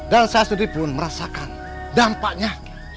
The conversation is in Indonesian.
saya sendiri pun merasakan dampaknya